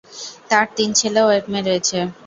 তার তিন ছেলে ও এক মেয়ে রয়েছে।